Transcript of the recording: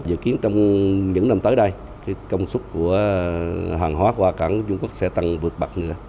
dự kiến trong những năm tới đây công suất của hàng hóa qua cảng dung quốc sẽ tăng vượt bậc nữa